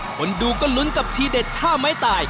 คนดูก็ลุ้นกับทีเด็ดท่าไม้ตาย